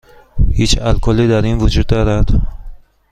هیچ الکلی در این وجود دارد؟